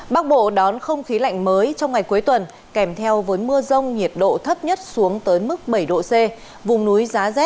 các bạn hãy đăng ký kênh để ủng hộ kênh của chúng mình nhé